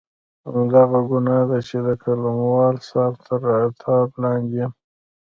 همدغه ګناه ده چې د قلموال صاحب تر عتاب لاندې یم.